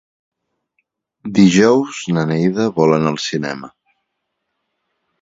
Dijous na Neida vol anar al cinema.